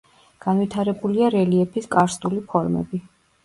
განვითარებულია რელიეფის კარსტული ფორმები.